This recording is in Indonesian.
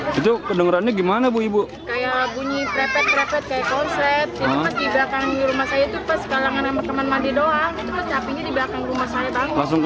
warga terlihat menyelamatkan